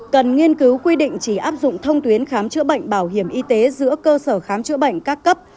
cần nghiên cứu quy định chỉ áp dụng thông tuyến khám chữa bệnh bảo hiểm y tế giữa cơ sở khám chữa bệnh các cấp